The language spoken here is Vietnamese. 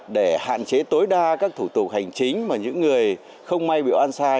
để hạn chế tối đa các thủ tục hành chính mà những người không may bị oan sai